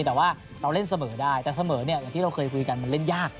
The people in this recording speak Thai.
แต่ว่าเราเล่นเสมอได้แต่เสมอเนี่ยอย่างที่เราเคยคุยกันมันเล่นยาก